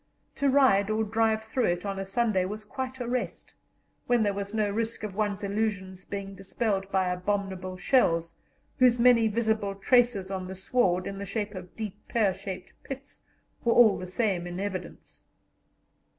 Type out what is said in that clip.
To ride or drive through it on a Sunday was quite a rest, when there was no risk of one's illusions being dispelled by abominable shells, whose many visible traces on the sward, in the shape of deep pear shaped pits, were all the same in evidence.